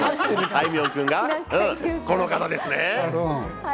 あいみょん君がこの方ですね。